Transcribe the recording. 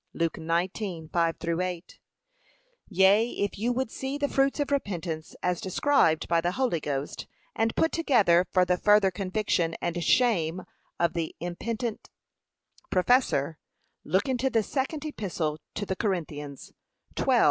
(Luke 19:5 8) Yea, if you would see the fruits of repentance as described by the Holy Ghost, and put together for the further conviction and shame of the impenitent professor, look into the second epistle to the Corinthians, 12:9 11.